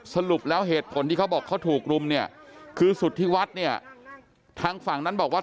สรุปแล้วเหตุผลที่เขาบอกเขาถูกรุมเนี่ยคือสุธิวัฒน์เนี่ยทางฝั่งนั้นบอกว่า